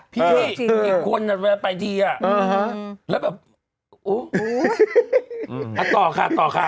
พี่อีกคนไปทีแล้วแบบอุ้ยกระต่อค่ะ